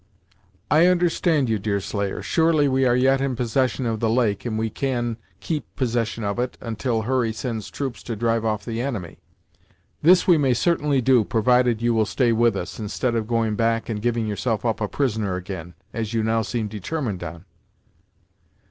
"I understand you, Deerslayer; surely we are yet in possession of the lake, and we can keep possession of it until Hurry sends troops to drive off the enemy. This we may certainly do provided you will stay with us, instead of going back and giving yourself up a prisoner, again, as you now seem determined on."